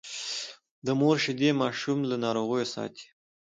د مور شیدې ماشوم له ناروغیو ساتي۔